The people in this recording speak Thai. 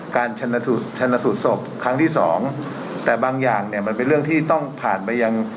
ชนชนะสูตรศพครั้งที่สองแต่บางอย่างเนี่ยมันเป็นเรื่องที่ต้องผ่านไปยัง